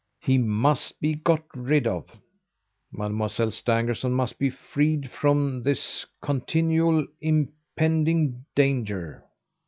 He must be got rid of. Mademoiselle Stangerson must be freed from this continual impending danger.